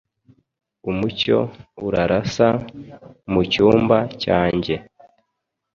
umucyo urarasa mucyumba cyange